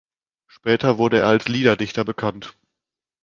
Später wurde er als Liederdichter bekannt.